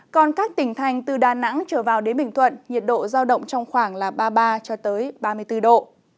còn các tỉnh thành từ đà nẵng trở vào đến bình thuận nhiệt độ giao động trong khoảng ba mươi ba ba mươi bốn độ